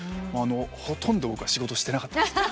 ほとんど僕は仕事してなかった。